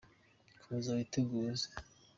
komeza witegereze.